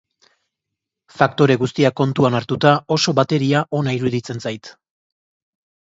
Faktore guztiak kontuan hartuta, oso bateria ona iruditzen zait.